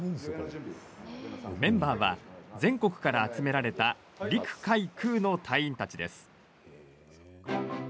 メンバーは、全国から集められた陸海空の隊員たちです。